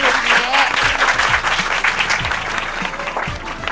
ดูอย่างนี้